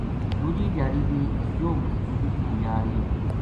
دوجی دھیاڑی بھی یوہ مزدوری نا جا رہیو